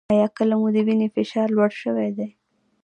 ایا کله مو د وینې فشار لوړ شوی دی؟